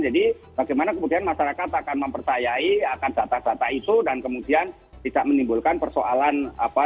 jadi bagaimana kemudian masyarakat akan mempercayai akan data data itu dan kemudian tidak menimbulkan persoalan apa